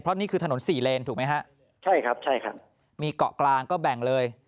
เพราะนี่คือถนนสี่เลนถูกไหมฮะใช่ครับใช่ครับมีเกาะกลางก็แบ่งเลย